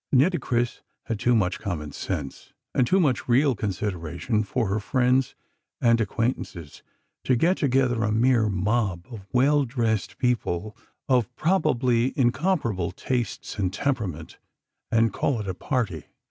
Nitocris had too much common sense and too much real consideration for her friends and acquaintances to get together a mere mob of well dressed people of probably incompatible tastes and temperament, and call it a party.